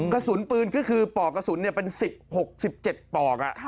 กระสุนปืนก็คือปอกกระสุนเป็น๑๖๑๗ปอก